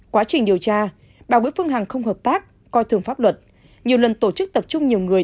quá trình điều tra bà nguyễn phương hằng không hợp tác coi thường pháp luật nhiều lần tổ chức tập trung nhiều người